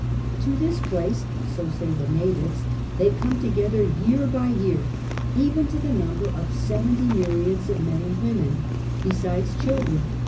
To this place (so say the natives) they come together year by year even to the number of seventy myriads of men and women, besides children.